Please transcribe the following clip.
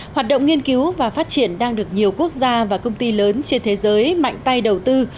hoạt động nghiên cứu và phát triển đang được nhiều quốc gia và công ty lớn trên thế giới mạnh tay đầu tư